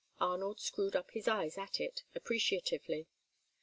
Arnold screwed up his eyes at it, appreciatively.